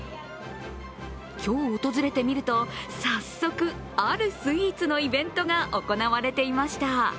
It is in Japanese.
今日訪れてみると、早速、あるスイーツのイベントが行われていました。